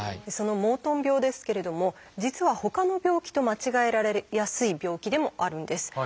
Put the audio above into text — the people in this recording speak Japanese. そのモートン病ですけれども実はほかの病気と間違えられやすい病気でもあるんです。